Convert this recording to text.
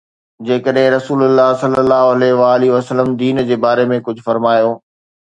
جيڪڏهن رسول الله صلي الله عليه وآله وسلم دين جي باري ۾ ڪجهه فرمايو.